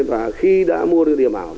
và khi đã mua được điểm ảo